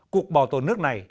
cục bảo tồn nước này